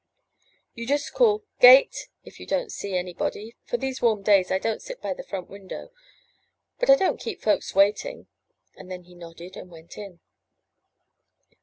*'You just call 'Gate' if you don't see anybody, for these warm days I don't sit by the front window. But I don't keep folks waiting." And then he nodded and went in.